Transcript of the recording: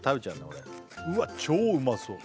俺うわ超うまそう！